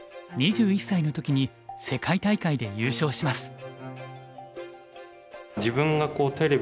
２１歳の時に世界大会で優勝します。